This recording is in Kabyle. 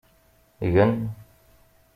Gen.